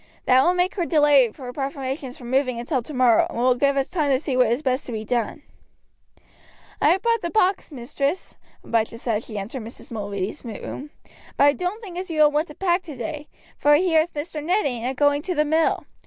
That will make her delay her preparations for moving until tomorrow, and will give us time to see what is best to be done." "I have brought the box, mistress," Abijah said as she entered Mrs. Mulready's room; "but I don't think as you will want to pack today, for I hear as Mr. Ned ain't a going to the mill.